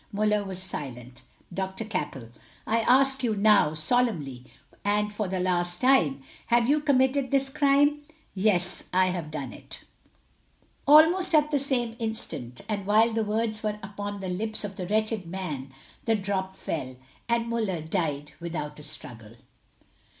Muller was silent. Dr. Cappell: I ask you now, solemnly, and for the last time, have you committed this crime? Muller: YES, I HAVE DONE IT. Almost at the same instant, and while the words were upon the lips of the wretched man, the drop fell, and Muller died without a struggle.